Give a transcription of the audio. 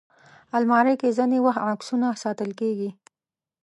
الماري کې ځینې وخت عکسونه ساتل کېږي